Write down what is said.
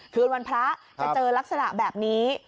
คืนวันพระจะเจอลักษณะแบบนี้